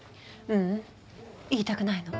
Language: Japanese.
ううん言いたくないの。